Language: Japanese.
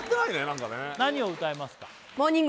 何かね何を歌いますか？